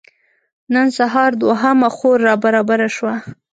نن سهار دوهمه خور رابره شوه.